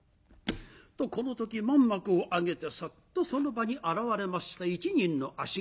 とこの時まん幕を上げてサッとその場に現れました一人の足軽。